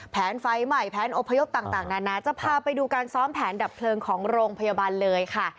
แผนไฟใหม่แผนอพยพต่างนานาจะพาไปดูการซ้อมแผนดับเพลิงของโรงพยาบาลเลยค่ะ